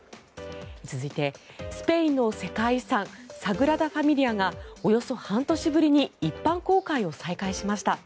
続いて、スペインの世界遺産サグラダ・ファミリアがおよそ半年ぶりに一般公開を再開しました。